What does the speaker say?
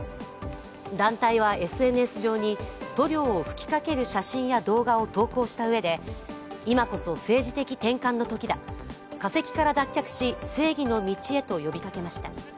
団体はＳＮＳ上に、塗料を吹きかける写真や動画を投稿したうえで今こそ政治的転換の時だ、化石から脱却し、正義の道へと呼びかけました。